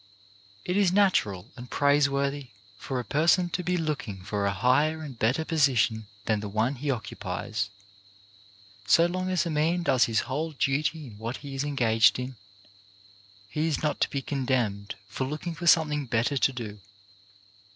It is natural and praiseworthy for a person to be looking for a higher and better position than the one he occupies. So long as a man does his whole duty in what he is engaged in, he is not to be con demned for looking for something better to do.